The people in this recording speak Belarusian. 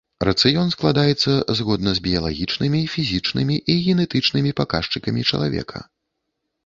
Рацыён складаецца згодна з біялагічнымі, фізічнымі і генетычнымі паказчыкамі чалавека.